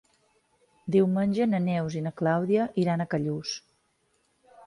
Diumenge na Neus i na Clàudia iran a Callús.